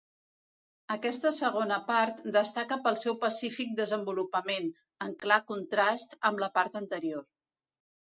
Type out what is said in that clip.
Aquesta segona part destaca pel seu pacífic desenvolupament, en clar contrast amb la part anterior.